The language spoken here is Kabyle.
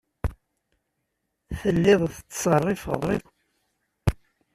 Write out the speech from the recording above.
Telliḍ tettṣerrifeḍ.